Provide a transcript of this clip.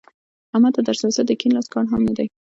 احمد ته درس لوستل د کیڼ لاس کار هم نه دی.